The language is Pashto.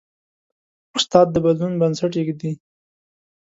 استاد د بدلون بنسټ ایږدي.